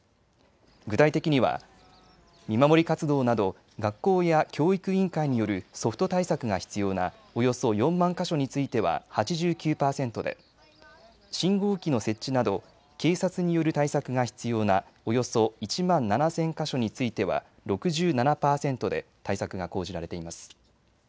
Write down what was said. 具体的には見守り活動など学校や教育委員会によるソフト対策が必要なおよそ４万か所については８９％で、信号機の設置など警察による対策が必要なおよそ１万７０００か所については６７％で対策が講じられています。